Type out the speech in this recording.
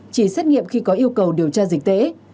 chỉ xét nghiệm khi có yêu cầu điều tra dịch tễ